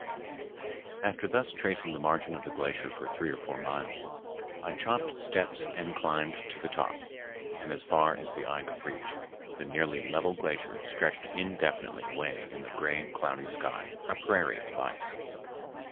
After thus tracing the margin of the glacier for three or four miles, I chopped steps and climbed to the top, and as far as the eye could reach, the nearly level glacier stretched indefinitely away in the gray cloudy sky, a prairie of ice.